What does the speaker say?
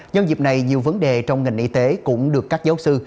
nhân dịp này nhiều vấn đề trong ngành y tế cũng được các giáo sư